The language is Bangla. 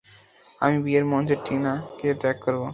আমি বিয়ের মঞ্চে টিনা কে ত্যাগ করব।